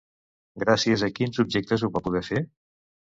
Gràcies a quins objectes ho va poder fer?